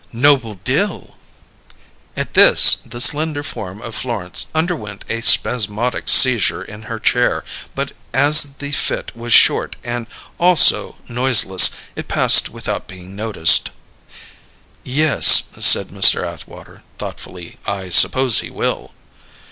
"Noble Dill." At this, the slender form of Florence underwent a spasmodic seizure in her chair, but as the fit was short and also noiseless, it passed without being noticed. "Yes," said Mr. Atwater thoughtfully. "I suppose he will."